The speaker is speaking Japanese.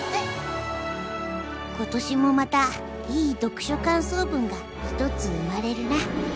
今年もまたいい読書かんそう文が一つ生まれるな。